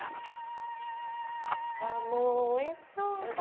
うわもうおいしそう。